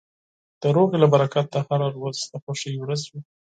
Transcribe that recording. د سولې له برکته هره ورځ د خوښۍ ورځ وي.